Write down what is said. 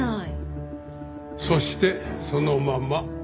そしてそのまま。